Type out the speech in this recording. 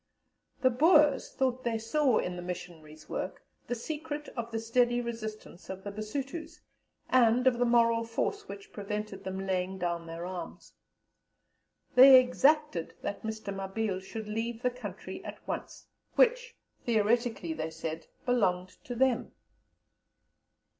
The Boers thought they saw in the missionaries' work the secret of the steady resistance of the Basutos, and of the moral force which prevented them laying down their arms. They exacted that Mr. Mabille should leave the country at once, which theoretically, they said, belonged to them.